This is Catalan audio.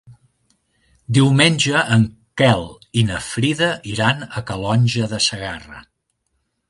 Diumenge en Quel i na Frida iran a Calonge de Segarra.